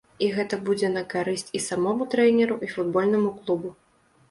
І гэта будзе на карысць і самому трэнеру, і футбольнаму клубу.